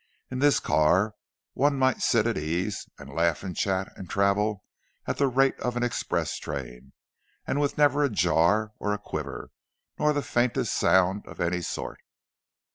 In this car one might sit at ease, and laugh and chat, and travel at the rate of an express train; and with never a jar or a quiver, nor the faintest sound of any sort.